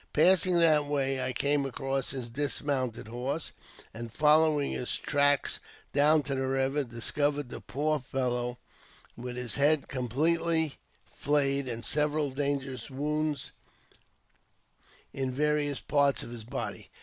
Passing that way, I came across his dis mounted horse, and, following his tracks down to the river, discovered the poor fellow with his head completely flayed, and several dangerous wounds in various parts of his body.